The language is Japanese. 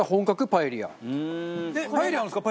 パエリアあるんですか！？